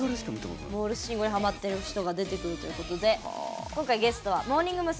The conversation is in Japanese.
モールス信号にハマってる人が出てくるということでゲストはモーニング娘。